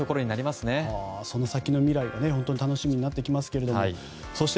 その先の未来は本当に楽しみなってきますがそして、